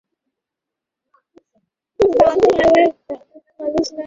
যেটিতে নেতিবাচক ফলের সম্ভাবনা বেশি, সেটি বর্জন করে অন্যটি গ্রহণ করে নেওয়া।